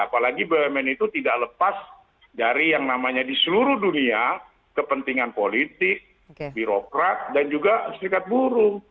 apalagi bumn itu tidak lepas dari yang namanya di seluruh dunia kepentingan politik birokrat dan juga serikat buruh